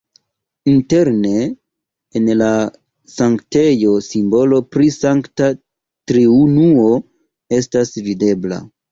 Interne en la sanktejo simbolo pri Sankta Triunuo estas videbla.